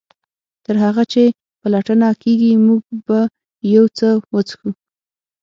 تر هغه چې پلټنه کیږي موږ به یو څه وڅښو